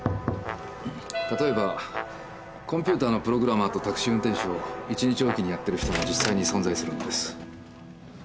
例えばコンピューターのプログラマーとタクシー運転手を一日置きにやっている人も実際に存在するんです。